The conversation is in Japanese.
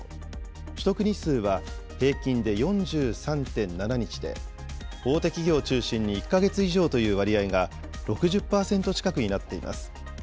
取得日数は平均で４３．７日で、大手企業を中心に１か月以上という割合が６０％近くになっています。